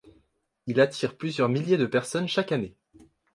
Il attire plusieurs milliers de personnes chaque année.